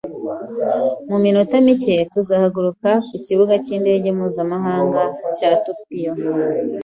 Mu minota mike tuzahaguruka ku Kibuga cy’indege mpuzamahanga cya Tokiyo.